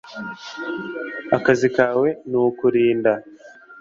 Akazi kawe ni ukurinda